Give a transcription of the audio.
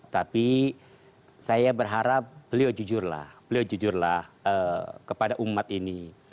tapi saya berharap beliau jujur lah beliau jujurlah kepada umat ini